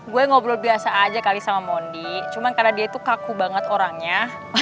gue ngobrol biasa aja kali sama mondi cuma karena dia itu kaku banget orangnya